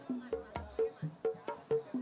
ure began matiku